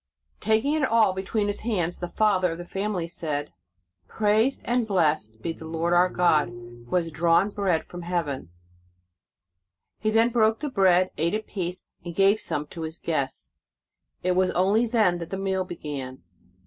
Taking it all between his hands, the father of the family said: " Praised and blessed be the Lord our God, who has drawn bread from the earth." He then broke the bread, ate a piece, and gave some to his guests. It was only then that the meal began.